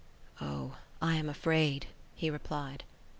"O, I am afraid," he replied.